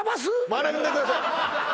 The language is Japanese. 学んでください